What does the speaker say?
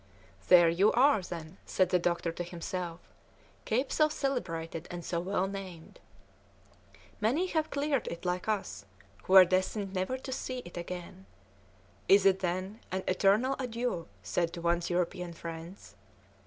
"There you are, then," said the doctor to himself, "cape so celebrated and so well named! Many have cleared it like us who were destined never to see it again. Is it, then, an eternal adieu said to one's European friends?